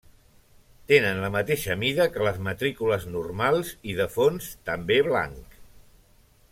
Tenen la mateixa mida que les matrícules normals i de fons també blanc.